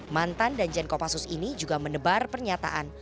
mantan danjen kopassus ini juga menebar pernyataan